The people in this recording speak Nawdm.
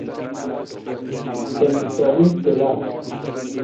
Sinsoman tiila.